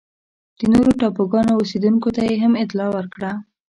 د نورو ټاپوګانو اوسېدونکو ته یې هم اطلاع ورکړه.